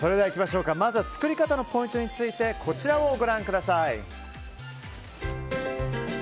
まず作り方のポイントについてこちらをご覧ください。